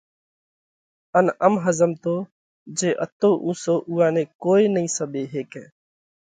ان ام ۿزمتو جي اتو اُونسو اُوئا نئہ ڪوئي نئين سٻي هيڪئہ،